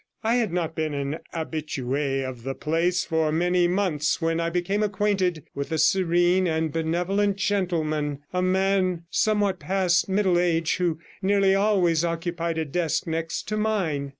I had not been an habitue of the place for many months, when I became acquainted with a serene and benevolent gentleman, a man somewhat past middle age, who nearly always occupied a desk next to mine.